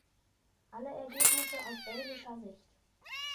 Alle Ergebnisse aus belgischer Sicht.